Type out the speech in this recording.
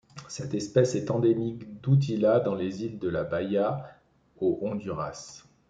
Cette espèce est endémique d'Útila dans les îles de la Bahía au Honduras.